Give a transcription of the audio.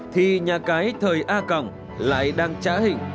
thì nhà cái thời a còng lại đang trá hình